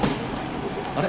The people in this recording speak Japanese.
あれ？